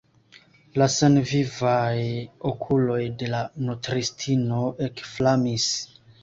La senvivaj okuloj de la nutristino ekflamis.